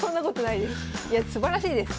いやすばらしいです。